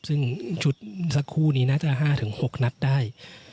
ซึ่งชุดสักคู่นี้น่าจะห้าถึงหกนัดได้